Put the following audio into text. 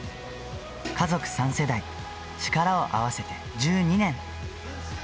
家族３世代、力を合わせて１２年。